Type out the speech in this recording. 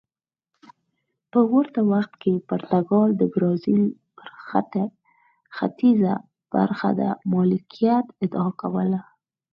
په ورته وخت کې پرتګال د برازیل پر ختیځه برخه د مالکیت ادعا کوله.